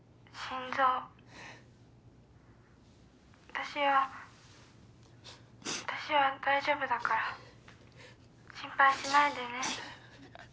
私は私は大丈夫だから心配しないでね実咲待っててくれ